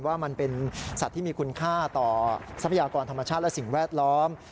ว่ามันเป็นสัตว์ที่มีคุณค่าต่อทรัพยากรธรรมชาติและสิ่งแวดล้อม